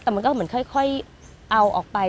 แต่มันก็เหมือนค่อยเอาออกไป